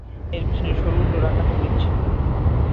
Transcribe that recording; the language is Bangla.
এর পেছনে সরু ডোরাকাটা লেজ ছিল।